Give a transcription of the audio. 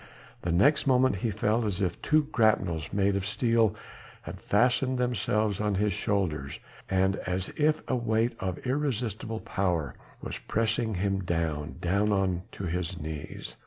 The next moment he felt as if two grapnels made of steel had fastened themselves on his shoulders and as if a weight of irresistible power was pressing him down, down on to his knees.